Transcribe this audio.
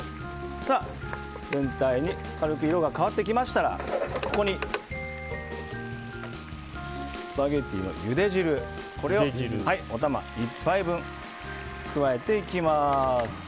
全体が軽く色が変わってきましたらここにスパゲティのゆで汁をおたま１杯分、加えていきます。